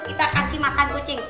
kita kasih makan kucing